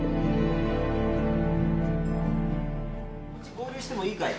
合流してもいいかい？